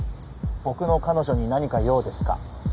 僕の彼女に何か用ですか？